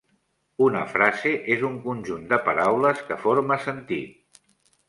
Una frase és un conjunt de paraules que forma sentit.